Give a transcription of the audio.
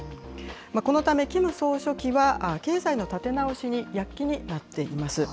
このためキム総書記は、経済の立て直しに躍起になっています。